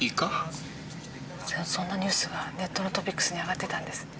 そんなニュースがネットのトピックスにあがってたんです。